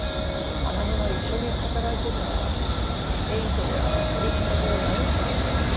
マナブが一緒に働いてたエイトや取り引き先を殴っちまって。